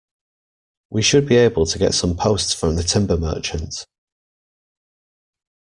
We should be able to get some posts from the timber merchant